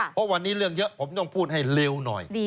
เพราะวันนี้เรื่องเยอะผมต้องพูดให้เร็วหน่อย